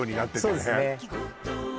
そうですね